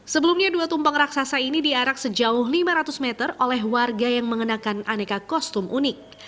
sebelumnya dua tumpeng raksasa ini diarak sejauh lima ratus meter oleh warga yang mengenakan aneka kostum unik